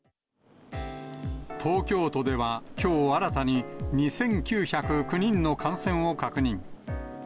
東京都では、きょう新たに２９０９人の感染を確認。